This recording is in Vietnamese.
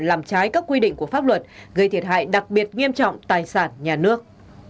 làm trái các quy định của pháp luật gây thiệt hại đặc biệt nghiêm trọng tài sản nhà nước